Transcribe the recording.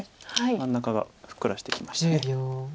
真ん中がふっくらしてきました。